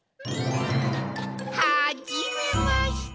はじめまして。